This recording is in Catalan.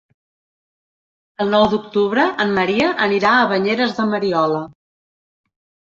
El nou d'octubre en Maria anirà a Banyeres de Mariola.